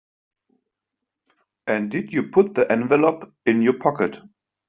And did you put the envelope in your pocket?